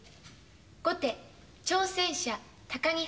後手挑戦者高木八段。